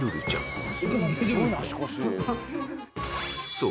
そう！